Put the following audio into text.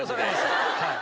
はい。